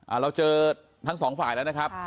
เราเจอทั้งสองฝ่ายแล้วนะครับ